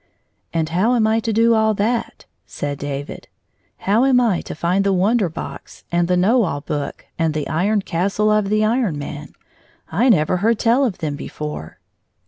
" And how am I to do all that ?" said David. "How am I to find the Wonder Box and the Know All Book and the Iron Castle of the Iron Man 1 I never heard tell of them before."